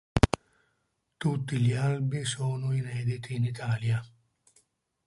Tutti gli albi sono inediti in Italia.